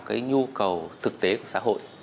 cái nhu cầu thực tế của xã hội